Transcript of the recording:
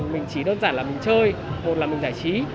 mình chỉ đơn giản là mình chơi một là mình giải trí